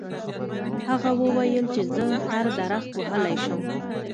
هغه وویل چې زه هر درخت وهلی شم.